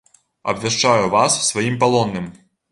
Абвяшчаю вас сваім палонным!